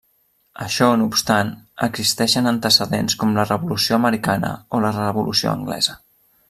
Això no obstant, existixen antecedents com la Revolució Americana o la Revolució Anglesa.